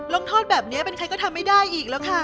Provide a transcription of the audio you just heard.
ลงโทษแบบนี้เป็นใครก็ทำไม่ได้อีกแล้วค่ะ